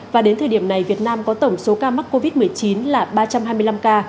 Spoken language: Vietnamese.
và đến thời điểm này việt nam có tổng số ca mắc covid một mươi chín là ba trăm hai mươi năm ca